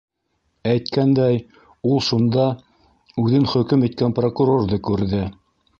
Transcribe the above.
Әйткәндәй, ул шунда үҙен хөкөм иткән прокурорҙы күрҙе.